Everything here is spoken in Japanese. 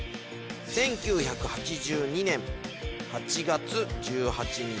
１９８２年８月１８日。